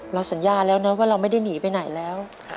สัญญาแล้วนะว่าเราไม่ได้หนีไปไหนแล้ว